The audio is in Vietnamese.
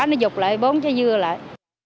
nó giục lại bốn trái dưa lại